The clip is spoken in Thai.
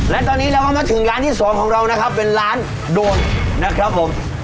และตอนนี้เราก็มาถึงร้านที่สองของเรานะครับเป็นร้านโดนนะครับผม